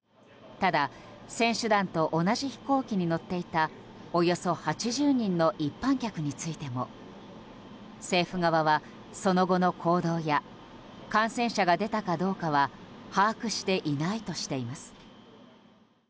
ただ、選手団と同じ飛行機に乗っていたおよそ８０人の一般客についても政府側はその後の行動や感染者が出たかどうかは把握していないとしています。